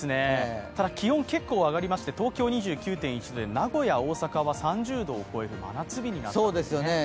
ただ、気温結構上がりまして東京、２９．１度で名古屋、大阪は３０度を超える真夏日になったんですね。